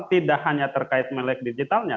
tidak hanya terkait melek digitalnya